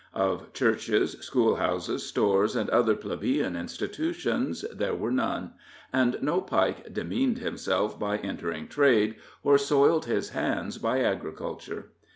Of churches, school houses, stores and other plebeian institutions, there were none; and no Pike demeaned himself by entering trade, or soiled his hands by agriculture.